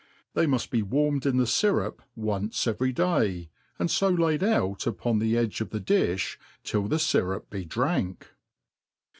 They muft be warmed in the fyrup once every day, and fo laid out tpon the edge of the di(h till the fyrup be drank.